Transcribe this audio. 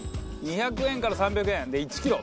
２００円から３００円で１キロ。